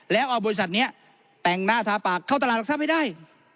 และเอาบริษัทนี้แต่งหน้าท้าปากเข้าตลาดรักษาไปได้